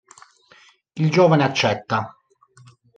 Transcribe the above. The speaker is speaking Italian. Il giovane accetta.